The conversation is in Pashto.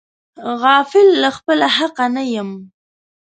غافل له خپله حقه نه یم.